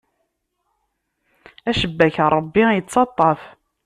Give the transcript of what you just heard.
Acebbak n Ṛebbi ittaṭṭaf.